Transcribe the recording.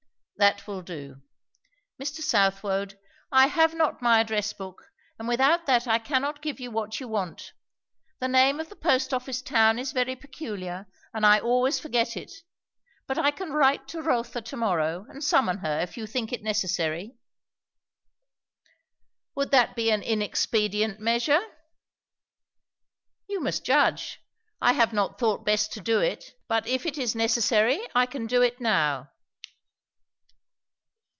"That will do. Mr. Southwode, I have not my address book, and without that I cannot give you what you want. The name of the post office town is very peculiar, and I always forget it. But I can write to Rotha to morrow and summon her, if you think it necessary." "Would that be an inexpedient measure?" "You must judge. I have not thought best to do it; but if it is necessary I can do it now."